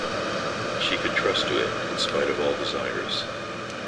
She could trust to it, in spite of all desires.